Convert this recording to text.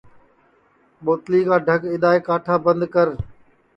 ٻوتلی کا ڈھک اِدؔائے کاٹھا بند کر